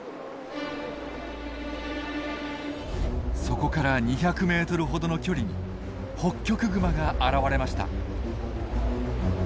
そこから２００ｍほどの距離にホッキョクグマが現れました。